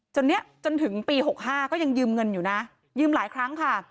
เนี่ยจนถึงปี๖๕ก็ยังยืมเงินอยู่นะยืมหลายครั้งค่ะ